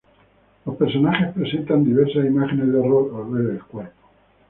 Los personajes presentan diversas imágenes de horror al ver el cuerpo.